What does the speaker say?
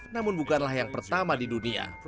namun bukanlah yang pertama di dunia